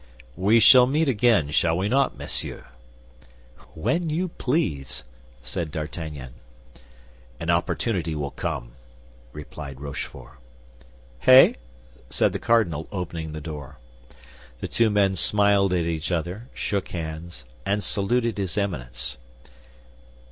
"We shall meet again, shall we not, monsieur?" "When you please," said D'Artagnan. "An opportunity will come," replied Rochefort. "Hey?" said the cardinal, opening the door. The two men smiled at each other, shook hands, and saluted his Eminence.